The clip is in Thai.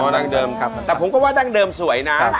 ดั้งเดิมครับแต่ผมก็ว่าดั้งเดิมสวยนะ